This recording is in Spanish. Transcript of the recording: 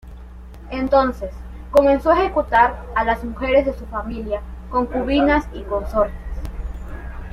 Entonces, comenzó a ejecutar a las mujeres de su familia, concubinas y consortes.